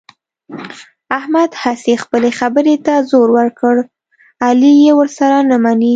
احمد هسې خپلې خبرې ته زور ور کړ، علي یې ورسره نه مني.